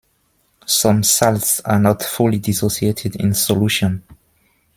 Some salts are not fully dissociated in solution.